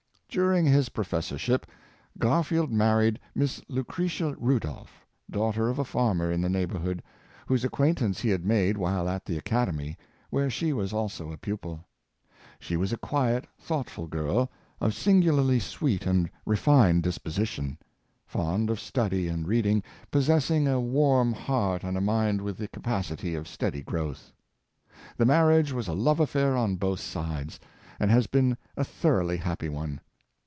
During his professorship Garfield married Miss Lucre tia Rudolph, daughter of a farmer in the neighborhood, whose acquaintance he had made while at the academy, where she was also a pupil. She was a quiet, thought ful girl, of singularly sweet and refined disposition, fond of study and reading, possessing a warm heart and a mind with the capacity of steady growth. The mar riage was a love affair on both sides, and has been a thoroughly happy one.